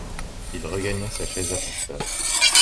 Il regagna sa chaise à porteurs.